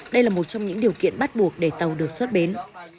đây là một trong những điều kiện bắt buộc để tàu được xuất bến